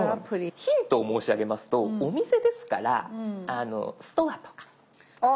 ヒントを申し上げますとお店ですから「ストア」とか。